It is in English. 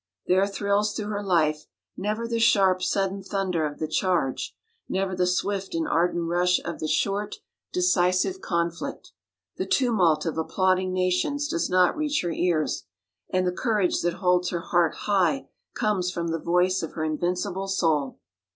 There thrills through her life never the sharp, sudden thunder of the charge, never the swift and ardent rush of the short, decisive conflict the tumult of applauding nations does not reach her ears and the courage that holds her heart high comes from the voice of her invincible soul.